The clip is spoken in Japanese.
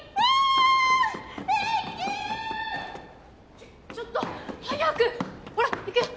ちょちょっと早くほら行くよ！